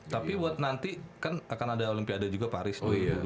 tapi buat nanti kan akan ada olimpiada juga paris dua ribu dua puluh empat